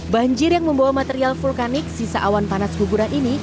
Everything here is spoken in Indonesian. banjir yang membawa material vulkanik sisa awan panas guguran ini